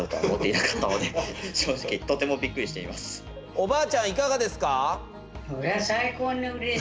おばあちゃんいかがですか？